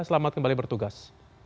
selamat kembali bertugas